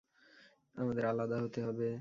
আমাদের আলাদা হতে হবে।